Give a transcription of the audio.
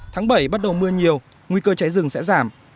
tháng bảy bắt đầu mưa nhiều nguy cơ cháy rừng sẽ giảm